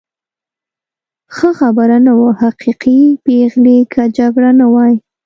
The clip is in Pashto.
ښه خبر نه و، حقیقي پېغلې، که جګړه نه وای.